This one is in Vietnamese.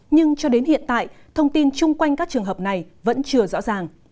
nhưng cho đến hiện tại thông tin chung quanh các trường hợp này vẫn chưa rõ ràng